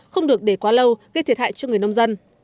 không được để quá lâu gây thiệt hại cho người nông dân